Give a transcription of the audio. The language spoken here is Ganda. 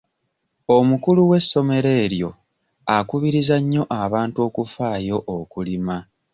Omukulu w'essomero eryo akubirizza nnyo abantu okufaayo okulima.